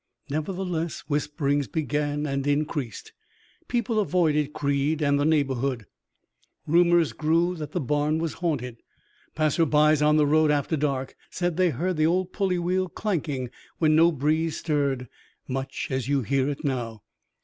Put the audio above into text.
Nevertheless, whisperings began and increased. People avoided Creed and the neighborhood. Rumors grew that the barn was haunted. Passers by on the road after dark said they heard the old pulley wheel clanking when no breeze stirred, much as you hear it now.